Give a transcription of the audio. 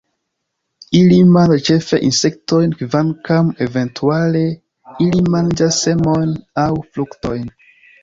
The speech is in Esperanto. Ili manĝas ĉefe insektojn, kvankam eventuale ili manĝas semojn aŭ fruktojn.